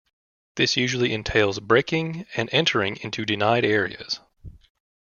This usually entails breaking and entering into denied areas.